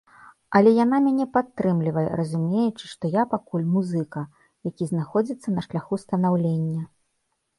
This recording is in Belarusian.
Але яна мяне падтрымлівае, разумеючы, што я пакуль музыка, які знаходзіцца на шляху станаўлення.